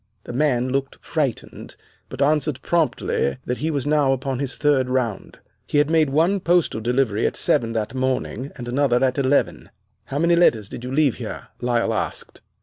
"The man looked frightened, but answered promptly that he was now upon his third round. He had made one postal delivery at seven that morning and another at eleven. "'How many letters did you leave here!' Lyle asked.